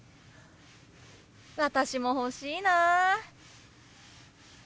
私も欲しいな。